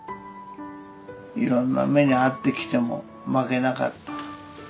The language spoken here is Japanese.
いろんな目に遭ってきても負けなかった。